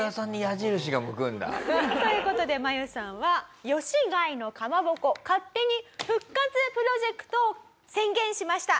という事でマユさんは吉開のかまぼこ勝手に復活プロジェクトを宣言しました